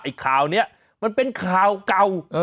ข่าวนี้มันเป็นข่าวเก่า